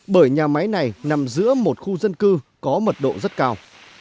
bởi nhà máy này nằm giữa một khu dân cư có mật độ rất cao